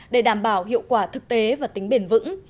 để đảm bảo hiệu quả thực tế và tính bền vững